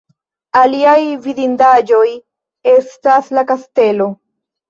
Aliaj vidindaĵoj estas la kastelo.